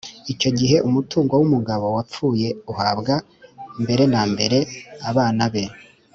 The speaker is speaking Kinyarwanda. icyo gihe umutungo w’umugabo wapfuye uhabwa mbere na mbere abana be;